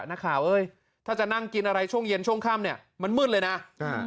นักข่าวเอ้ยถ้าจะนั่งกินอะไรช่วงเย็นช่วงค่ำเนี้ยมันมืดเลยนะอ่า